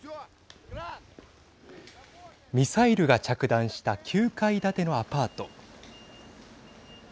ミサイルが着弾した９階建てのアパート。